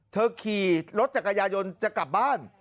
ขี่รถจักรยายนจะกลับบ้าน